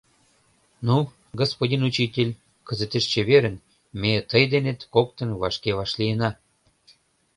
— Ну, господин учитель, кызытеш чеверын, ме тый денет коктын вашке вашлийына.